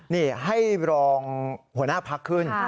นี่ให้รองหัวหน้าพักขึ้น